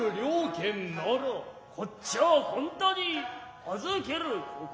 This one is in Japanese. こっちはこんたに預ける心。